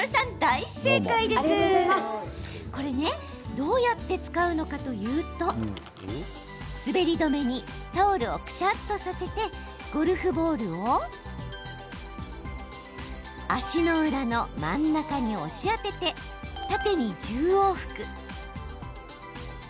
どうやって使うのかというと滑り止めにタオルを、くしゃっとさせてゴルフボールを足の裏の真ん中に押し当てて縦に１０往復。